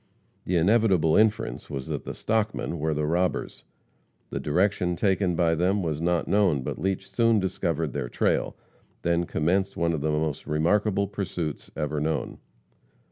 The inevitable inference was that the "stockmen" were the robbers. The direction taken by them was not known, but Leach soon discovered their trail. Then commenced one of the most remarkable pursuits ever known.